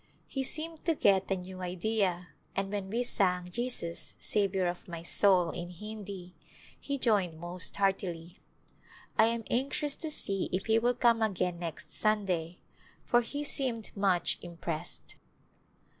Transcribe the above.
He seemed to get a new idea and when we sang "Jesus, Saviour of my Soul " in Hindi he joined most heartily. I am anxious to see if he will come again next Sunday, for he seemed much im pressed.